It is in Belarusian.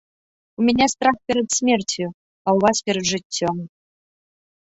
У мяне страх перад смерцю, а ў вас перад жыццём.